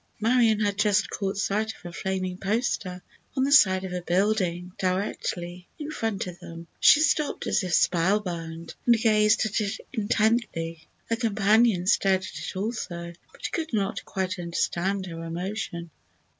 Marion had just caught sight of a flaming "poster" on the side of a building directly in front of them. She stopped as if spellbound and gazed at it intently. Her companion stared at it also, but could not quite understand her emotion.